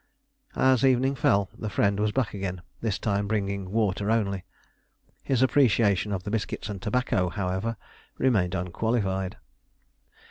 As evening fell, the friend was back again, this time bringing water only. His appreciation of the biscuits and tobacco, however, remained unqualified.